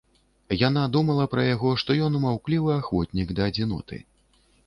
Яна думала пра яго, што ён маўклівы ахвотнік да адзіноты.